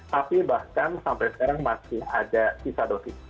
tapi bahkan sampai sekarang masih ada sisa dosis